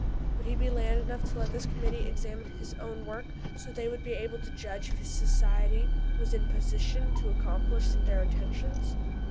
"Would he be man enough to let this Committee examine his own work, so they would be able to judge if his Society would be in position to accomplish their intentions?"